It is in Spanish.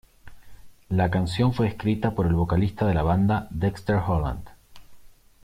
La canción fue escrita por el vocalista de la banda, Dexter Holland.